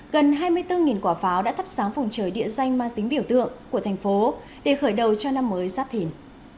gần hai mươi bốn quả pháo đã thắp sáng phòng trời địa danh mang tính biểu tượng của thành phố để khởi đầu cho năm mới giáp thỉn